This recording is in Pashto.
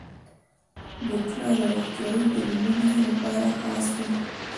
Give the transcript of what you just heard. بوټونه د روغتیايي دلیلونو لپاره خاص وي.